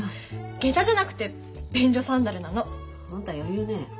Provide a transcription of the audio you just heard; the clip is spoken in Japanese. げたじゃなくて便所サンダルなの。あんた余裕ね。